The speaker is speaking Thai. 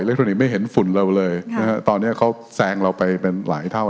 ทรอนิกสไม่เห็นฝุ่นเราเลยนะฮะตอนเนี้ยเขาแซงเราไปเป็นหลายเท่า